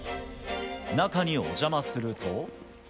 中にお邪魔すると。